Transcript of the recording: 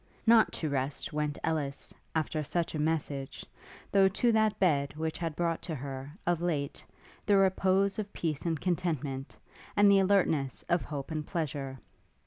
Not to rest went Ellis, after such a message, though to that bed which had brought to her, of late, the repose of peace and contentment, and the alertness of hope and pleasure.